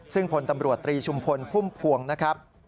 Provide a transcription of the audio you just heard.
ซึ่งพลตำรวจตรีชุมพลพุ่มพวงนะครับ